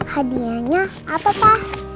hadiahnya apa pa